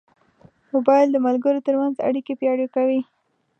موبایل د ملګرو ترمنځ اړیکې پیاوړې کوي.